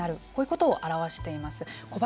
こういうことを表しています。